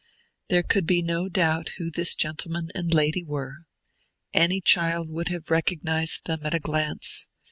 There could be no doubt who this gentleman and lady were. Any child would have recognized them at a glance.